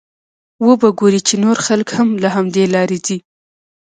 وبه ګورې چې نور خلک هم له همدې لارې ځي.